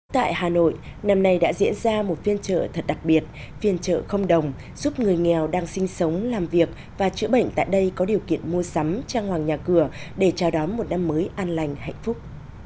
tại hà nội năm nay đã diễn ra một phiên trợ thật đặc biệt phiên trợ không đồng giúp người nghèo đang sinh sống làm việc và chữa bệnh tại đây có điều kiện mua sắm trang hoàng nhà cửa để chào đón một năm mới an lành hạnh phúc